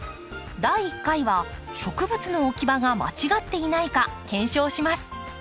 第１回は植物の置き場が間違っていないか検証します。